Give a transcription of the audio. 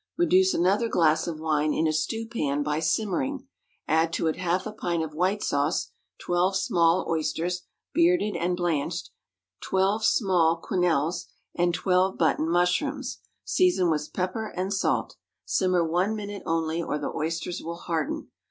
Reduce another glass of wine in a stewpan by simmering, add to it half a pint of white sauce, twelve small oysters, bearded and blanched, twelve small quenelles,[62 *] and twelve button mushrooms. Season with pepper and salt. Simmer one minute only, or the oysters will harden.